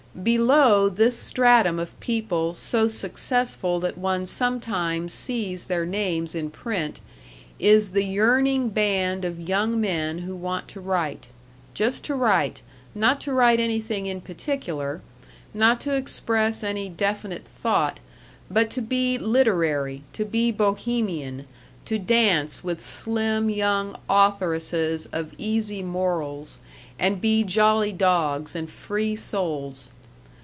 Below this stratum of people so successful that one sometimes sees their names in print is the yearning band of young men who want to write. Just to write not to write anything in particular; not to express any definite thought, but to be literary, to be Bohemian, to dance with slim young authoresses of easy morals, and be jolly dogs and free souls.